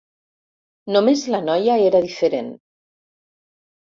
Només la noia era diferent.